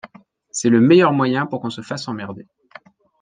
C’est le meilleur moyen pour qu’on se fasse emmerder.